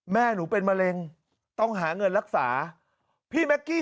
แม่หนูเป็นมะเร็งต้องหาเงินรักษาพี่แม็กกี้